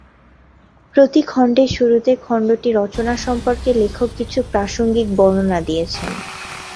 প্রতি খণ্ডের শুরুতে খণ্ডটি রচনা সম্পর্কে লেখক কিছু প্রাসঙ্গিক বর্ণনা দিয়েছেন।